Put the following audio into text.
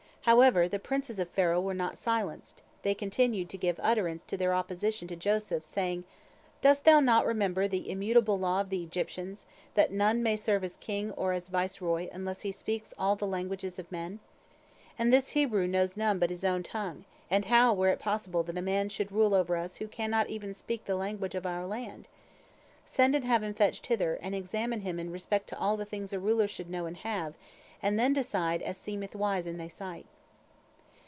However, the princes of Pharaoh were not silenced, they continued to give utterance to their opposition to Joseph, saying: "Dost thou not remember the immutable law of the Egyptians, that none may serve as king or as viceroy unless he speaks all the languages of men? And this Hebrew knows none but his own tongue, and how were it possible that a man should rule over us who cannot even speak the language of our land? Send and have him fetched hither, and examine him in respect to all the things a ruler should know and have, and then decide as seemeth wise in thy sight."